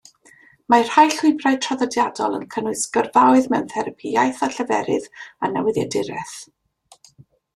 Mae rhai llwybrau traddodiadol yn cynnwys gyrfaoedd mewn therapi iaith a lleferydd, a newyddiaduraeth.